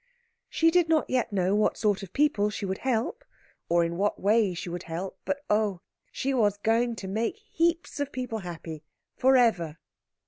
She did not yet know what sort of people she would help, or in what way she would help, but oh, she was going to make heaps of people happy forever!